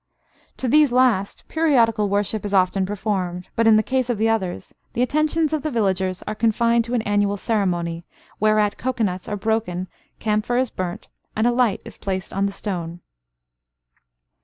To these last, periodical worship is often performed, but, in the case of the others, the attentions of the villagers are confined to an annual ceremony, whereat cocoanuts are broken, camphor is burnt, and a light is placed on the stone."